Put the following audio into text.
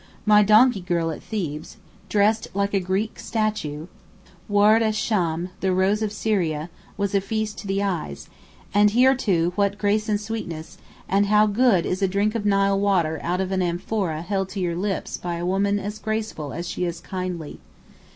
My donkey girl at Thebes, dressed like a Greek statue—Ward es Sham (the Rose of Syria)—was a feast to the eyes; and here, too, what grace and sweetness, and how good is a drink of Nile water out of an amphora held to your lips by a woman as graceful as she is kindly.